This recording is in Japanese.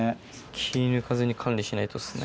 気抜かずに管理しないとっすね。